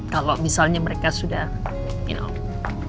kalau misalnya mereka sudah you know